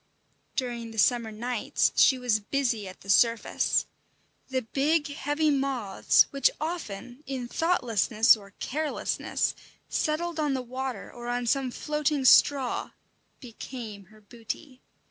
During the summer nights she was busy at the surface. The big, heavy moths, which often, in thoughtlessness or carelessness, settled on the water or on some floating straw, became her booty.